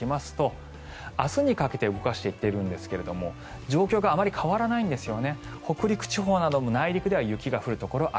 時間を動かしていきますと明日にかけて動かしていっているんですが状況があまり変わらないんですね。